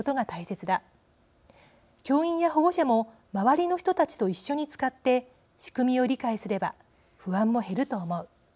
「教員や保護者もまわりの人たちと一緒に使って仕組みを理解すれば不安も減ると思う」。